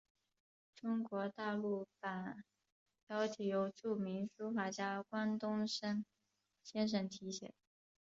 中国大陆版标题由著名书法家关东升先生提写。